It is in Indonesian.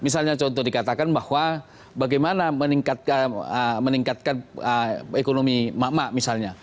misalnya contoh dikatakan bahwa bagaimana meningkatkan ekonomi mak mak misalnya